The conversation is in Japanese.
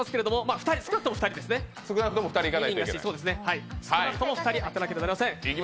少なくとも２人当てなければいけません。